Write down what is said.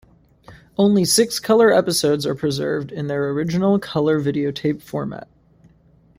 Only six colour episodes are preserved in their original colour videotape format.